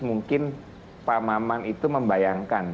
mungkin pak maman itu membayangkan